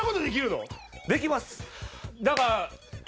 できます。